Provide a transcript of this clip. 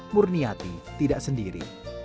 murniati tidak sendiri